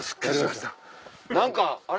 何かあれ？